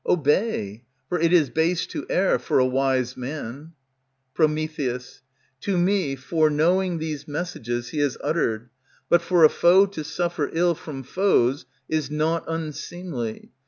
Obey; for it is base to err, for a wise man. Pr. To me foreknowing these messages He has uttered, but for a foe to suffer ill From foes is naught unseemly.